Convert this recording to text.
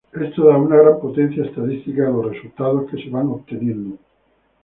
Esto da una gran potencia estadística a los resultados que se van obteniendo.